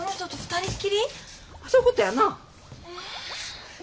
そういうことやな。え。